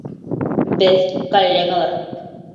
Беҙ коллегалар